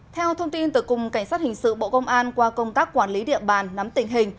theo thông tin từ cùng cảnh sát hình sự bộ công an qua công tác quản lý địa bàn nắm tình hình